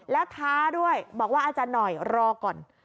แล้วท้าด้วยบอกว่าอาจารย์หน่อยรอก่อน